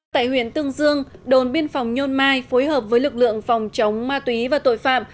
tại huyện tương dương đồn biên phòng nhôn mai phối hợp với lực lượng phòng chống ma túy và tội phạm